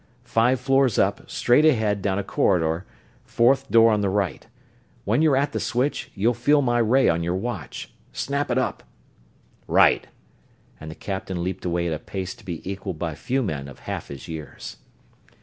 Five floors up, straight ahead down a corridor fourth door on right. When you're at the switch you'll feel my ray on your watch. Snap it up!" "Right!" and the captain leaped away at a pace to be equaled by few men of half his years.